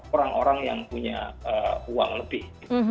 orang orang yang punya uang lebih